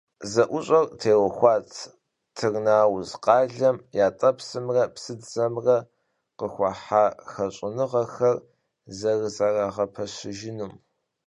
ЗэӀущӀэр теухуат Тырныауз къалэм ятӀэпсымрэ псыдзэмрэ къыхуахьа хэщӀыныгъэхэр зэрызэрагъэпэщыжынум.